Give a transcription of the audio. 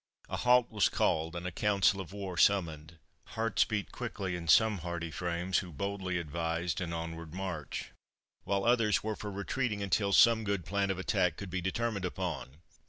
A halt was called, and a council of war summoned. Hearts beat quickly in some hardy frames who boldly advised an onward march, while others were for retreating until some good plan of attack could be determined upon.